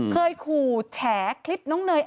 เคยขู่แฉคลิปน้องเนย